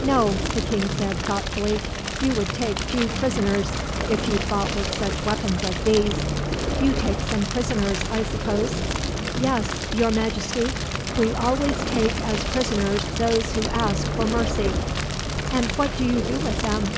"No," the king said, thoughtfully: "you would take few prisoners, if you fought with such weapons as these. You take some prisoners, I suppose?" "Yes, your Majesty; we always take as prisoners those who ask for mercy." "And what do you do with them?"